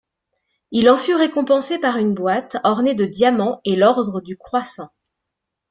Il en fut récompensé par une boîte ornée de diamants et l'ordre du Croissant.